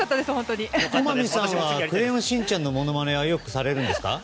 駒見さんは「クレヨンしんちゃん」のものまねはよくされるんですか？